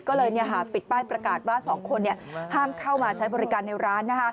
ก็เลยปิดป้ายประกาศว่า๒คนห้ามเข้ามาใช้บริการในร้าน